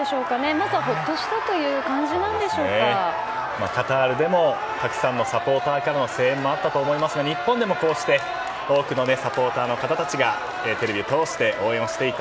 まず、ほっとしたというカタールでもたくさんのサポーターからの声援もあったと思いますが日本でもこうして多くのサポーターの方たちがテレビを通して応援していた。